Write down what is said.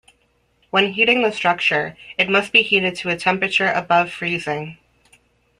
When heating the structure, it must be heated to a temperature above freezing.